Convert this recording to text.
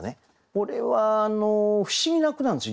これは不思議な句なんですよ